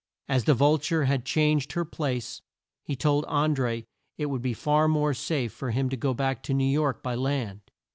As the Vul ture had changed her place, he told An dré it would be far more safe for him to go back to New York by land.